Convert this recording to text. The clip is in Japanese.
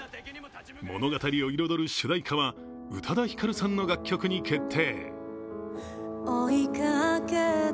物語を彩る主題歌は宇多田ヒカルさんの楽曲に決定。